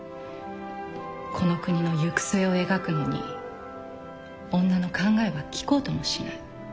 この国の行く末を描くのに女の考えは聞こうともしない。